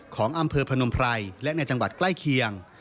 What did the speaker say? ของอำเภอพนมไพรและในจังหวัดใกล้เคียง